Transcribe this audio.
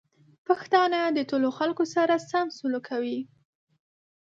پښتانه د ټولو خلکو سره سم سلوک کوي.